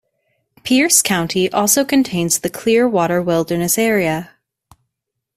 Pierce County also contains the Clearwater Wilderness area.